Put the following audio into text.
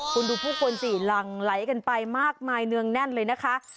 คุณดูผู้คนสิหลั่งไหลกันไปมากมายเนืองแน่นเลยนะคะ